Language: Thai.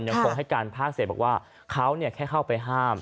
ยังคงให้การภาคเศษบอกว่าเขาแค่เข้าไปห้าม